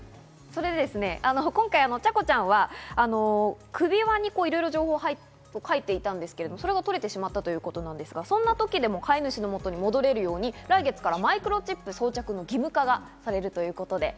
それで今回チャコちゃんは首輪にいろいろ情報を書いていたんですけども取れてしまったということですが、そんな時でも飼い主の元に戻れるように来月からマイクロチップ装着が義務化されるということです。